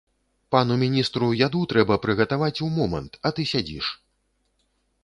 Пану міністру яду трэба прыгатаваць у момант, а ты сядзіш.